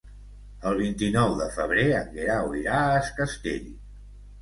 El vint-i-nou de febrer en Guerau irà a Es Castell.